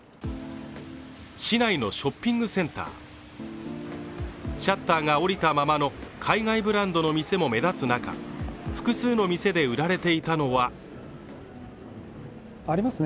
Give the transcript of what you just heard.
市内のショッピングセンターシャッターが下りたままの海外ブランドの店も目立つ中複数の店で売られていたのはありますね